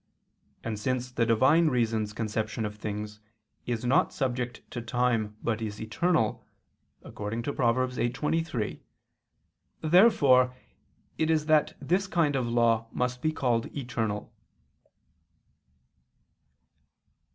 And since the Divine Reason's conception of things is not subject to time but is eternal, according to Prov. 8:23, therefore it is that this kind of law must be called eternal.